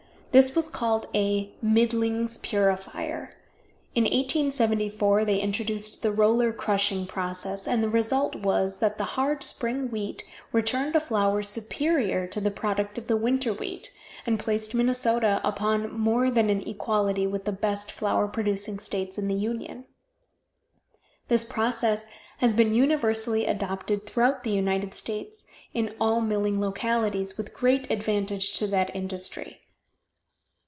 This was called a "middlings purifier." In 1874 they introduced the roller crushing process, and the result was, that the hard spring wheat returned a flour superior to the product of the winter wheat, and placed Minnesota upon more than an equality with the best flour producing states in the Union. This process has been universally adopted throughout the United States in all milling localities, with great advantage to that industry.